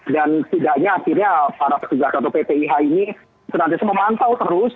dan tidaknya akhirnya para petugas atau ppih ini senantiasa memantau terus